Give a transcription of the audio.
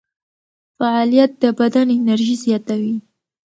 فعالیت د بدن انرژي زیاتوي.